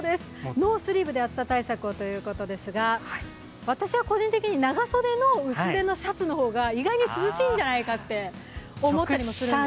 ノースリーブで暑さ対策ということですが私は個人的に長袖の薄手のシャツの方が意外に涼しいんじゃないかと思ったりするんですが。